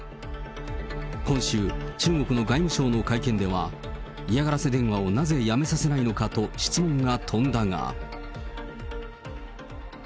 今週、中国の外務省の会見では、嫌がらせ電話をなぜやめさせないのかと質問が飛んだが。